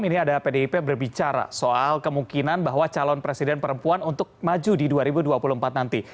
ini ada pdip berbicara soal kemungkinan bahwa calon presiden perempuan untuk maju di dua ribu dua puluh empat nanti